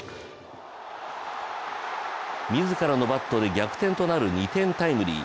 自らのバットで逆転となる２点タイムリー。